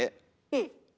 うん。